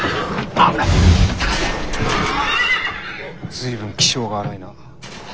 随分気性が荒いな。